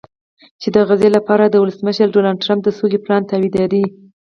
چې د غزې لپاره د ولسمشر ډونالډټرمپ د سولې پلان تاییدوي